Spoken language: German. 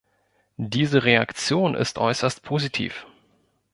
Diese Reaktion ist äußerst positiv.